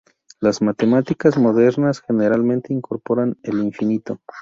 Las matemáticas modernas generalmente incorporan el infinito.